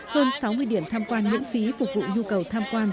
hơn sáu mươi điểm tham quan miễn phí phục vụ nhu cầu tham quan